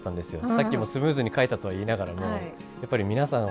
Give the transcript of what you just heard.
さっきもスムーズに書いたとは言いながらもやっぱり皆さん